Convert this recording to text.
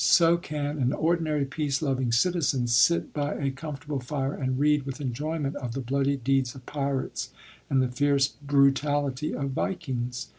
So can an ordinary peace loving citizen sit by a comfortable fire and read with enjoyment of the bloody deeds of pirates and the fierce brutality of Vikings.